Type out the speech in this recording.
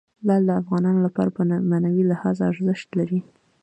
لعل د افغانانو لپاره په معنوي لحاظ ارزښت لري.